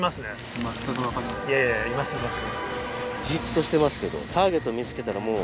じっとしてますけどターゲット見つけたらもう。